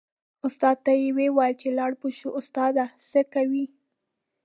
استاد ته یې و ویل چې لاړ به شو استاده څه کوې.